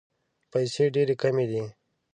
پیسې ډېري کمي دي.